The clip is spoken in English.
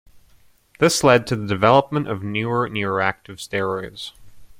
This led to the development of newer neuroactive steroids.